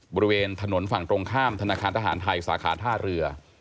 บริเวณถนนฝั่งตรงข้ามธนาคารทหารไทยสาขาท่าเรือ